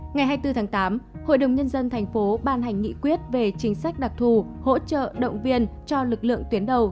ngày hai mươi bốn tháng tám hội đồng nhân dân thành phố ban hành nghị quyết về chính sách đặc thù hỗ trợ động viên cho lực lượng tuyến đầu